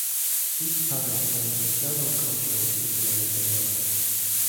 These patterns stem from several cultural and economic dynamics.